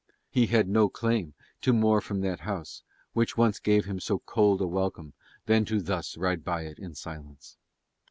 He had no claim to more from that house, which once gave him so cold a welcome, than thus to ride by it in silence.